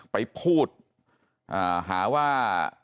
ไปพูดหาว่า